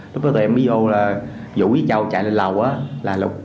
lúc đó tụi em mới vô là vũ với châu chạy lên lầu á là lục